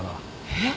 えっ？